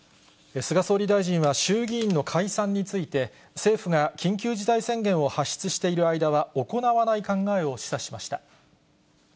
菅総理大臣は衆議院の解散について、政府が緊急事態宣言を発出している間は、行わない考えを示唆しました。